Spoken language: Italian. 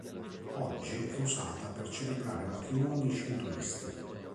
Oggi è usata per celebrare matrimoni shintoisti.